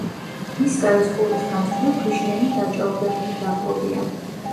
ბისკაის ყურის გასწვრივ ქვიშიანი დაჭაობებული დაბლობია.